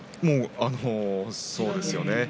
そうですよね。